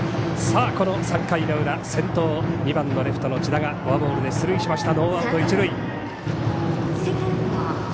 ３回の裏先頭、２番のレフトの千田がフォアボールで出塁しました。